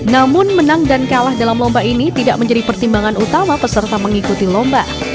namun menang dan kalah dalam lomba ini tidak menjadi pertimbangan utama peserta mengikuti lomba